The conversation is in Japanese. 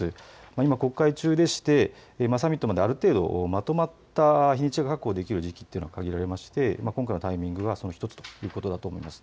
今、国会中で、サミットまである程度まとまった日にちが確保できる時期というのは限られていて今回のタイミングは、その１つだということだと思います。